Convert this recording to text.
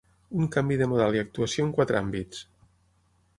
Un canvi de model i actuació en quatre àmbits.